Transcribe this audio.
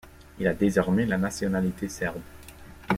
Il a désormais la nationalité serbe.